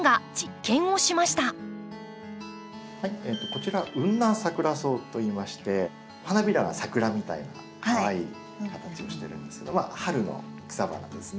こちらウンナンサクラソウといいまして花びらがサクラみたいなかわいい形をしてるんですけど春の草花ですね。